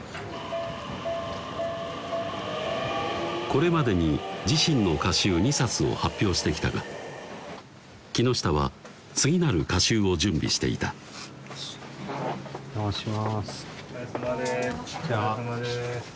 これまでに自身の歌集２冊を発表してきたが木下は次なる歌集を準備していたおじゃまします